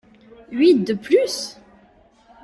Huit de plus?